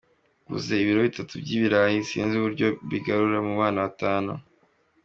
Nguze ibiro bitatu by’ibirayi sinzi uburyo mbigabura mu bana batanu.